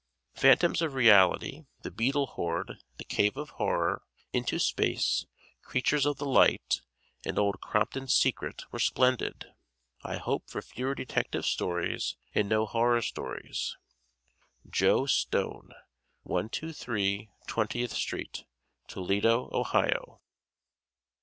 "Phantoms of Reality," "The Beetle Horde," "The Cave of Horror," "Into Space," "Creatures of the Light," and "Old Crompton's Secret" were splendid. I hope for fewer detective stories and no horror stories. Joe Stone, 123 20th Street, Toledo, Ohio.